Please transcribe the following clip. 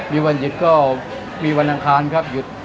มีวันหยุดก็มีวันอังคารครับหยุด